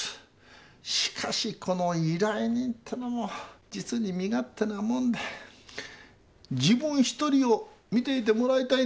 しかしこの依頼人てのも実に身勝手なもんで自分一人を見ていてもらいたいんですな。